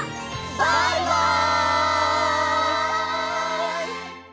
バイバイ！